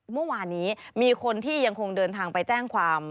เมื่อวานนี้มีคนที่ยังคงเดินทางไปแจ้งความ